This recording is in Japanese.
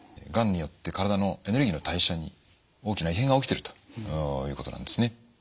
がんによって体のエネルギーの代謝に大きな異変が起きてるということなんですね。